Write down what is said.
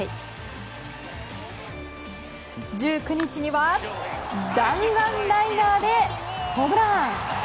１９日には弾丸ライナーでホームラン！